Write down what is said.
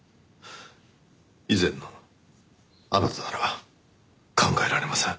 以前のあなたからは考えられません。